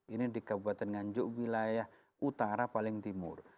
ini di kabupaten nganjuk wilayah utara paling timur